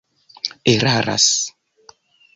eraras